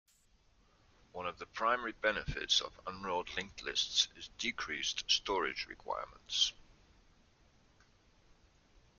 One of the primary benefits of unrolled linked lists is decreased storage requirements.